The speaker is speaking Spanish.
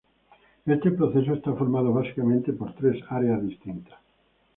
Este proceso está formado básicamente por tres áreas distintas.